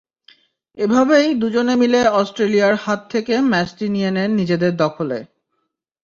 এভাবেই দুজনে মিলে অস্ট্রেলিয়ার হাত থেকে ম্যাচটি নিয়ে নেন নিজেদের দখলে।